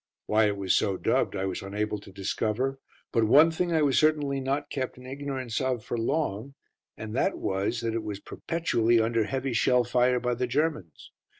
Why it was so dubbed I was unable to discover, but one thing I was certainly not kept in ignorance of for long, and that was that it was perpetually under heavy shell fire by the Germans.